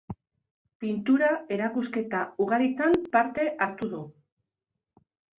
Pintura-erakusketa ugaritan parte hartu du.